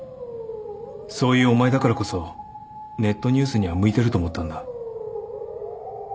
そういうお前だからこそネットニュースには向いてると思ったんだ。